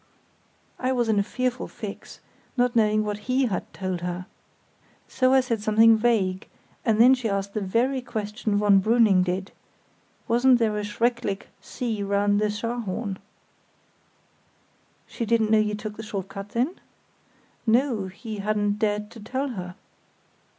"I was in a fearful fix, not knowing what he had told her. So I said something vague, and then she asked the very question von Brüning did, 'Wasn't there a schrecklich sea round the Scharhorn?' "She didn't know you took the short cut, then?" "No; he hadn't dared to tell her."